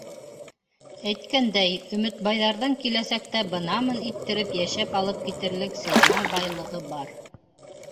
Әйткәндәй, өмөтбайҙарҙың киләсәктә бынамын иттереп йәшәп алып китерлек сеймал байлығы бар.